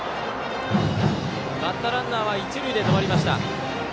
バッターランナーは一塁で止まりました。